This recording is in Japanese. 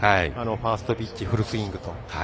ファーストピッチフルスイングと。